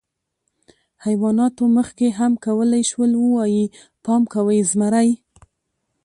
حیواناتو مخکې هم کولی شول، ووایي: «پام کوئ، زمری!».